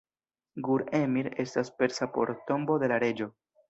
Gur-Emir estas persa por "Tombo de la Reĝo".